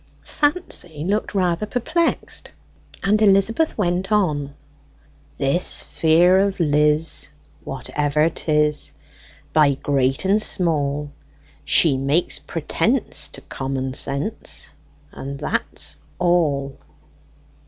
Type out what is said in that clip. Fancy looked rather perplexed, and Elizabeth went on: "This fear of Lizz whatever 'tis By great and small; She makes pretence to common sense, And that's all.